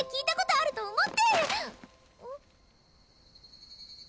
あっ！